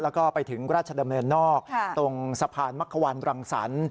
แล้วก็ไปถึงราชดำเนินนอกตรงสะพานมักควันรังสรรค์